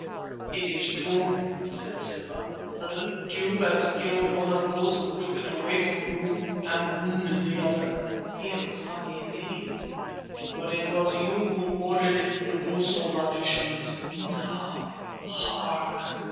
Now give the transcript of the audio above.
"It is true," said Simba, "that the tube has killed one of those who took it away from you and wounded the other" (here was luck indeed). "But it was you who ordered it to do so, magicians. Now, hark!